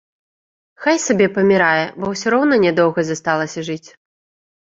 Хай сабе памірае, бо ўсё роўна нядоўга засталася жыць.